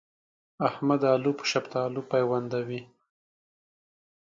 احمد الو په شفتالو پيوندوي.